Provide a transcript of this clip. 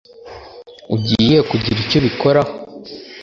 Ugiye kugira icyo ubikoraho?